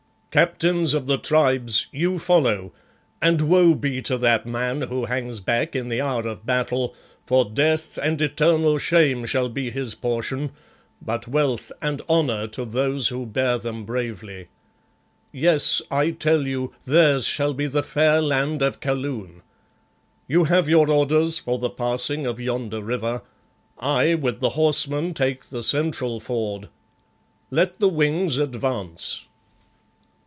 "Captains of the Tribes, you follow, and woe be to that man who hangs back in the hour of battle, for death and eternal shame shall be his portion, but wealth and honour to those who bear them bravely. Yes, I tell you, theirs shall be the fair land of Kaloon. You have your orders for the passing of yonder river. I, with the horsemen, take the central ford. Let the wings advance."